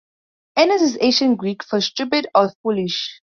"Anous" is Ancient Greek for "stupid" or "foolish".